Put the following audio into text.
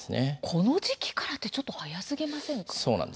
この時期からというのはちょっと早すぎませんか。